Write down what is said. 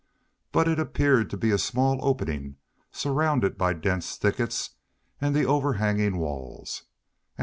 But it appeared to be a small opening surrounded by dense thickets and the overhanging walls.